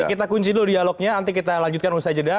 oke kita kunci dulu dialognya nanti kita lanjutkan usai jeda